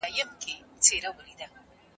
زه اجازه لرم چي کتابتون ته ولاړ سم!.